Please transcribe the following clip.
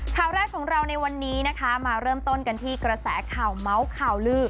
ข่าวแรกของเราในวันนี้นะคะมาเริ่มต้นกันที่กระแสข่าวเมาส์ข่าวลือ